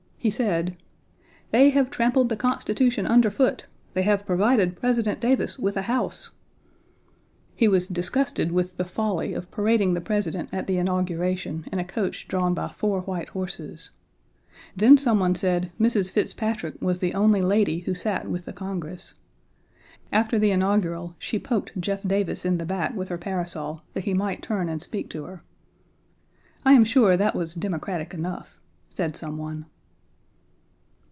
He said: "They have trampled the Constitution underfoot. They have provided President Davis with a house." He was disgusted with the folly of parading the President at the inauguration in a coach drawn by four white horses. Then some one said Mrs. Fitzpatrick was the only lady who sat with the Congress. After the inaugural she poked Jeff Davis in the back with her parasol that he might turn and speak to her. "I am sure that was democratic enough," said some one.